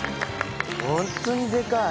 ホントにでかい。